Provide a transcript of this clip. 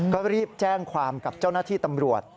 ก็รีบแจ้งความกับเจ้าหน้าที่ตำรวจ